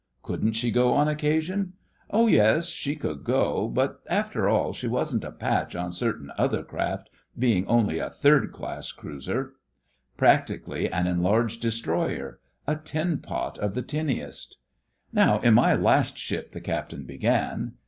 Couldn't she go on occasion? Oh, yes. She could go, but, after all, she wasn't a patch on certain other craft, being only a third class cruiser—practically an enlarged destroyer—a tin pot of the tinniest. 'Now in my last ship,' the Captain began.